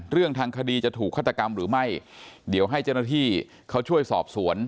เรื่องทางคดีจะถูกฆาตกรรมหรือไม่เดี๋ยวให้เจ้าหน้าที่เขาช่วยสอบสวน